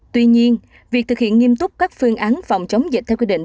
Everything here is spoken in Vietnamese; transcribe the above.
tuy nhiên việc thực hiện nghiêm túc các phương án phòng chống dịch theo quy định